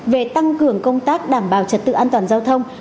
về tăng cường công tác đảm bảo trật tự an toàn giao thông